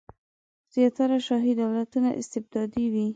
زیاتره شاهي دولتونه استبدادي وي.